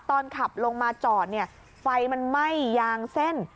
ตอนขับลงมาจอดเนี่ยไฟมันไหม้ยางเส้น